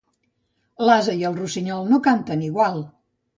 L'ase i el rossinyol no canten igual.